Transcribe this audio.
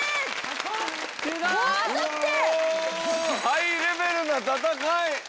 ハイレベルな戦い！